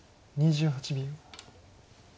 ２８秒。